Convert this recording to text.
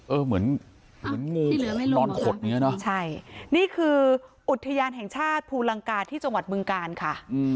เหมือนเหมือนงูนอนขดอย่างเงี้เนอะใช่นี่คืออุทยานแห่งชาติภูลังกาที่จังหวัดบึงกาลค่ะ